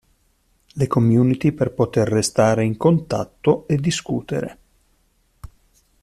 Le community per poter restare in contatto e discutere.